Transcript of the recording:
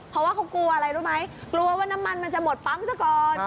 เพราะว่าเขากลัวอะไรรู้ไหมกลัวว่าน้ำมันมันจะหมดปั๊มซะก่อน